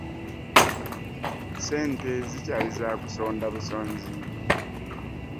Ssente zikyali za kusonda busonzi.